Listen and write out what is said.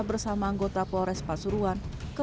bersama anggota polres pasuruan